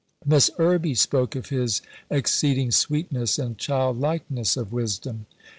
Miss Irby spoke of his "exceeding sweetness and childlikeness of wisdom."